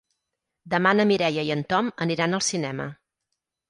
Demà na Mireia i en Tom aniran al cinema.